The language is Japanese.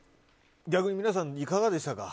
逆に皆さん、いかがでしたか？